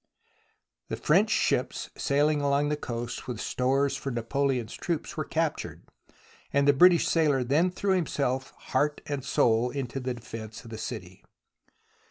The French ships saiUng along the coast with stores for Napoleon's troops were captured, and the British sailor then threw himself heart and soul into the defence of the city.